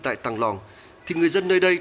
tại toàn loàn thì người dân nơi đây